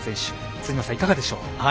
辻野さん、いかがでしょう？